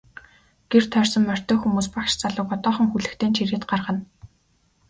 Гэр тойрсон морьтой хүмүүс багш залууг одоохон хүлэгтэй нь чирээд гаргана.